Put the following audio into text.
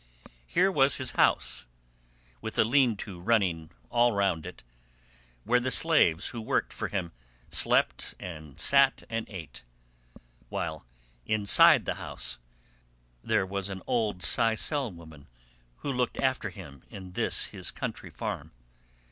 Here was his house, with a lean to running all round it, where the slaves who worked for him slept and sat and ate, while inside the house there was an old Sicel woman, who looked after him in this his country farm.